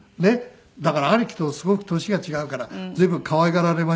だから兄貴とすごく年が違うから随分可愛がられましたよ。